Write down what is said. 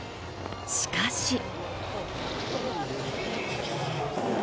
しかし。